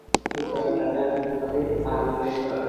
সুতরাং তাঁদের কথা আন্তরিকভাবে আমলে নিতে হবে।